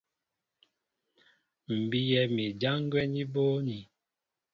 M̀ bíyɛ́ mi ján gwɛ́ ní bóónī.